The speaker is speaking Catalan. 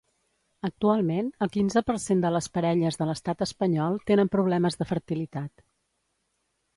Actualment, el quinze per cent de les parelles de l’estat espanyol tenen problemes de fertilitat.